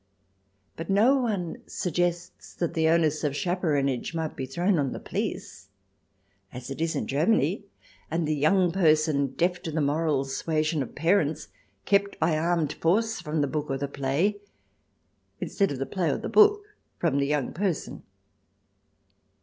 But no one suggests that the onus of chaperonage might be thrown on the police, as it is in Germany, and the young person, deaf to moral suasion of parents, kept by armed force from the book or the play, instead of the play or the book from the young person